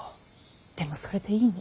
でもそれでいいの。